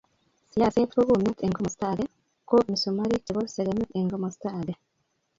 siaset ko kumnyaat eng komosta age ko misumarik chebo segemik eng komosta age